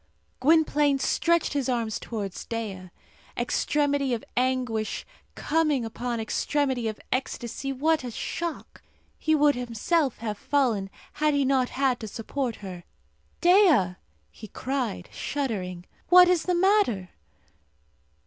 Gwynplaine stretched his arms towards Dea. Extremity of anguish coming upon extremity of ecstasy, what a shock! He would himself have fallen, had he not had to support her. "Dea!" he cried, shuddering, "what is the matter?"